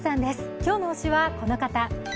今日の推しはこの方。